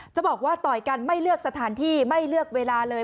จะบอกว่าต่อยกันไม่เลือกสถานที่ไม่เลือกเวลาเลย